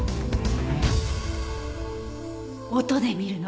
音で見るの。